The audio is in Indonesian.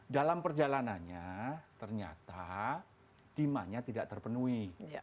dalam perjalanannya ternyata bima nya tidak terpenuhi